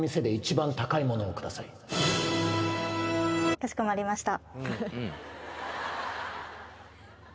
かしこまりました。